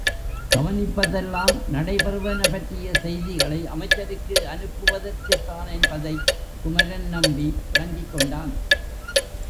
கவனிப்பதெல்லாம் நடைபெறுவன பற்றிய செய்திகளை அமைச்சருக்கு அனுப்பவதற்குத்தான் என்பதைக் குமரன் நம்பி விளங்கிக் கொண்டான்.